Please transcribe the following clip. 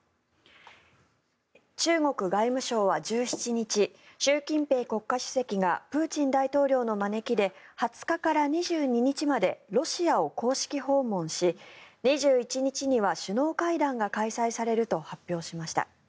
中国外務省は１７日習近平国家主席がプーチン大統領の招きで２０日から２２日までロシアを公式訪問し２１日には首脳会談が開催されると発表しました。